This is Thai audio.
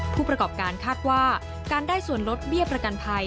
ผู้ประกอบการคาดว่าการได้ส่วนลดเบี้ยประกันภัย